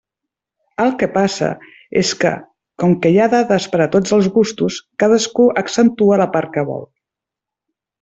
El que passa és que, com que hi ha dades per a tots els gustos, cadascú accentua la part que vol.